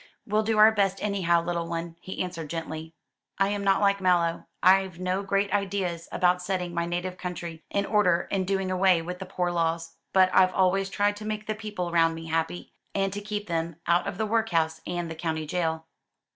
"We'll do our best, anyhow, little one," he answered gently. "I am not like Mallow, I've no great ideas about setting my native country in order and doing away with the poor laws; but I've always tried to make the people round me happy, and to keep them out of the workhouse and the county jail."